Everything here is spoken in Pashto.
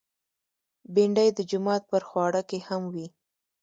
بېنډۍ د جومات پر خواړه کې هم وي